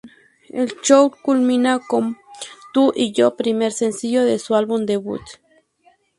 El show culmina con "Tu y yo" primer sencillo de su álbum debut.